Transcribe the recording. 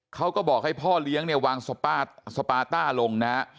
เขาก็บอกให้พ่อเลี้ยงเนี่ยวางสปาต้าลงนะฮะ